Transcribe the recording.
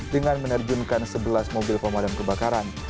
dengan menerjunkan sebelas mobil pemadam kebakaran